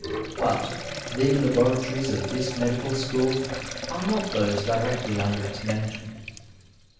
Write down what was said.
But the laboratories of this medical school are not those directly under its management.